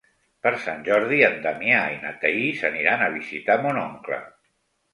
Per Sant Jordi en Damià i na Thaís aniran a visitar mon oncle.